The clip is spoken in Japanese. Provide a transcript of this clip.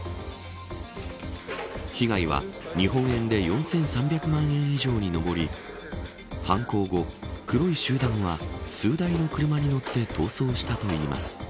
被害は日本円で４３００万円以上に上り犯行後、黒い集団は数台の車に乗って逃走したといいます。